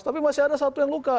tapi masih ada satu yang luka